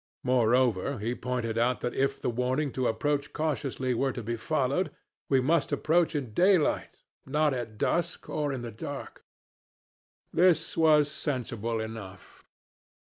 Moreover, he pointed out that if the warning to approach cautiously were to be followed, we must approach in daylight not at dusk, or in the dark. This was sensible enough.